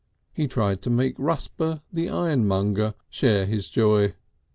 He tried to make Rusper, the ironmonger, share this joy with him.